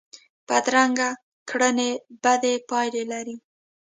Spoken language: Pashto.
بدرنګه کړنې بدې پایلې لري